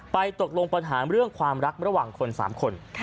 ตกลงปัญหาเรื่องความรักระหว่างคน๓คน